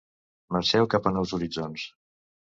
Marxeu cap a nous horitzons.